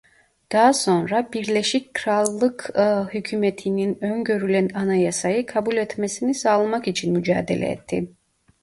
Daha sonra Birleşik Krallık Hükûmeti'nin öngörülen anayasayı kabul etmesini sağlamak için mücadele etti.